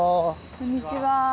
こんにちは。